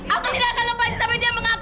aku tidak akan lepas sampai dia mengaku